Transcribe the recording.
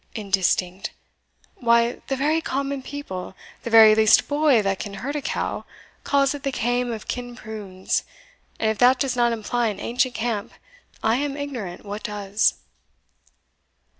Indistinct! why, the very common people, the very least boy that can herd a cow, calls it the Kaim of Kinprunes; and if that does not imply an ancient camp, I am ignorant what does."